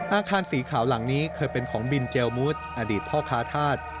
อาคารสีขาวหลังนี้เคยเป็นของบินเจลมูธอดีตพ่อค้าธาตุ